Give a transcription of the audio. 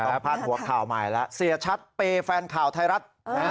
แล้วผ้านหัวข่าวใหม่ละเสียชัดเปรย์แฟนข่าวไทยรัส